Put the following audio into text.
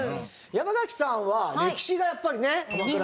山崎さんは歴史がやっぱりね鎌倉。